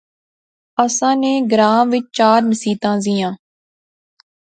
اساں نے گراں وچ چار مسیتاں زیاں